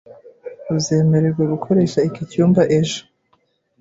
Uzemererwa gukoresha iki cyumba ejo.